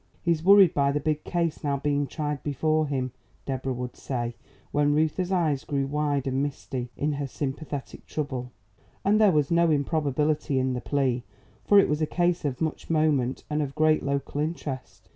"He's worried by the big case now being tried before him," Deborah would say, when Reuther's eyes grew wide and misty in her sympathetic trouble. And there was no improbability in the plea, for it was a case of much moment, and of great local interest.